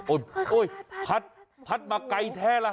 พัดพัดมาไกลแท้ล่ะ